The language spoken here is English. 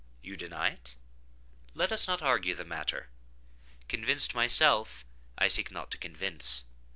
You deny it?—let us not argue the matter. Convinced myself, I seek not to convince.